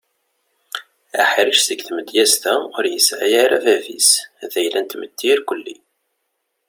Aḥric seg tmedyaz-a ur yesɛi ara bab-is d ayla n tmetti irkeli.